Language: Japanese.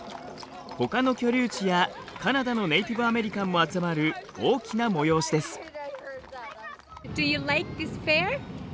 ほかの居留地やカナダのネイティブアメリカンも集まる大きな催しです。